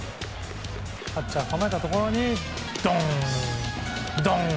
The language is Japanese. ピッチャーが構えたところにドン！